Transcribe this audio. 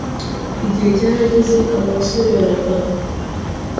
Igihe cyarageze abo basore barataha